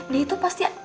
dia itu pasti